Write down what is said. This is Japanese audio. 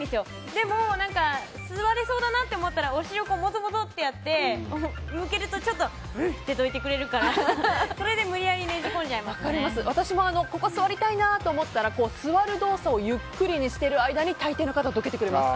でも、座れそうだと思ったらお尻をもぞもぞってやるとどいてくれるからそれで無理やり分かります、私もここ座りたいなと思ったら座る動作をゆっくりにしている間にたいていの方はどけてくれます。